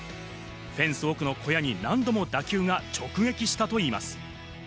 フェンス奥の小屋に何度も打球が直撃したといいます。